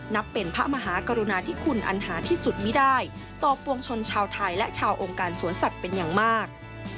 นับเป็นพระมหากรุณาธิคุณอันหาที่สุดไม่ได้ต่อปวงชนชาวไทยและชาวองค์การสวนสัตว์เป็นอย่างมาก